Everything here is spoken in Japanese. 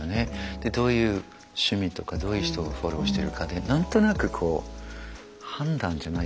でどういう趣味とかどういう人をフォローしてるかで何となくこう判断じゃないけど。